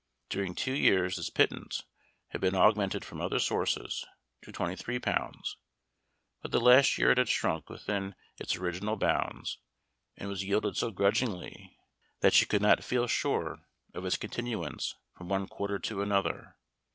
During two years this pittance had been augmented from other sources, to twenty three pounds, but the last year it had shrunk within its original bounds, and was yielded so grudgingly, that she could not feel sure of its continuance from one quarter to another.